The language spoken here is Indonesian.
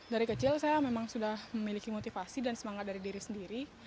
dari kecil saya memang sudah memiliki motivasi dan semangat dari diri sendiri